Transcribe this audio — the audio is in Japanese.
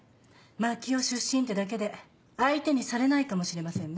槙尾出身ってだけで相手にされないかもしれませんね。